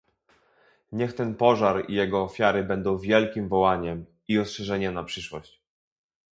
Niech ten pożar i jego ofiary będą wielkim wołaniem i ostrzeżeniem na przyszłość